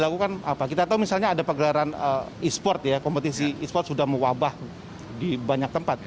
upaya yang nyata yang sudah dilakukan apa kita tahu misalnya ada pegelaran e sport ya kompetisi e sport sudah mewabah di banyak tempat